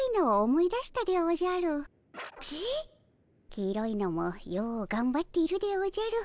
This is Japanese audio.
黄色いのもようがんばっているでおじゃる。